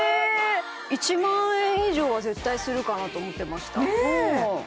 １万円以上は絶対するかなと思ってましたね